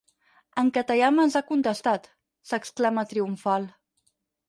En Katayama ens ha contestat —s'exclama triomfal—.